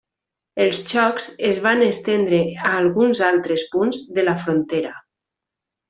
Els xocs es van estendre a alguns altres punts de la frontera.